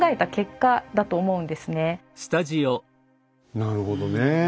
なるほどね。